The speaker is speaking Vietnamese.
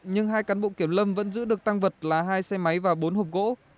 nhưng hai cán bộ kiểm lâm vẫn giữ được tăng vật là hai xe máy và bốn hộp gỗ